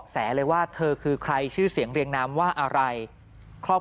หลังจากพบศพผู้หญิงปริศนาตายตรงนี้ครับ